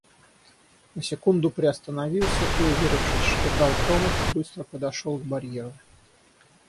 На секунду приостановился и, уверившись, что дал промах, быстро подошел к барьеру.